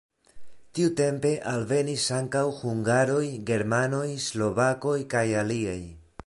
Tiutempe alvenis ankaŭ hungaroj, germanoj, slovakoj kaj aliaj.